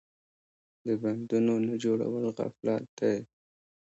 د بندونو نه جوړول غفلت دی.